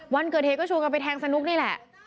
วันเกิดเท้าก็แทงสนุกนี่แหละ